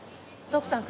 徳さん